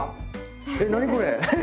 え何これ。